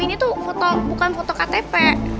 ini tuh foto bukan foto ktp